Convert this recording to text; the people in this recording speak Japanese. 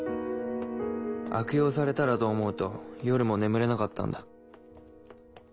悪用されたらと思うと夜も眠れなかったんだ。